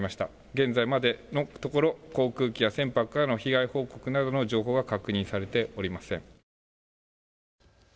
現在までのところ航空機や船舶の被害報告の情報は確認されておりません。